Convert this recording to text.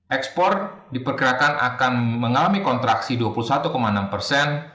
ekspor diperkirakan akan mengalami kontraksi dua puluh satu enam persen